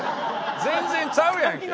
全然ちゃうやんけ！